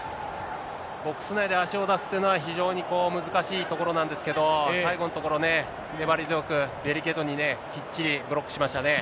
ボックス内で足を出すっていうのは、非常に難しいところなんですけど、最後のところね、粘り強く、デリケートにね、きっちりブロックしましたね。